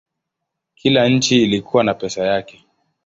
Kila nchi ilikuwa na pesa yake.